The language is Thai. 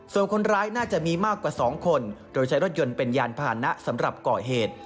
ส่วนคนร้ายน่าจะมีมากกว่า๒คนโดยใช้รถยนต์เป็นยานพานะสำหรับก่อเหตุ